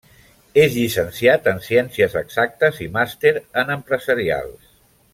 És llicenciat en ciències exactes i màster en empresarials.